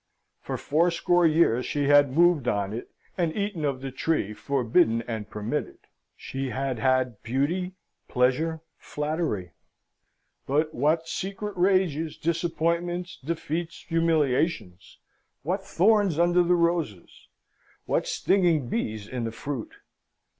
For fourscore years she had moved on it, and eaten of the tree, forbidden and permitted. She had had beauty, pleasure, flattery: but what secret rages, disappointments, defeats, humiliations! what thorns under the roses! what stinging bees in the fruit!